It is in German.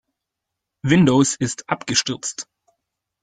Windows ist abgestürzt.